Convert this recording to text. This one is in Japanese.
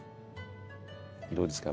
どうですか？